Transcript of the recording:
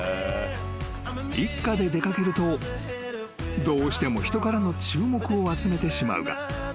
［一家で出掛けるとどうしても人からの注目を集めてしまうが］